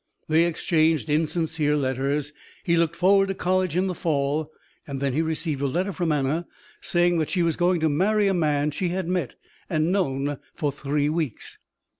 They exchanged insincere letters. He looked forward to college in the fall. Then he received a letter from Anna saying that she was going to marry a man she had met and known for three weeks.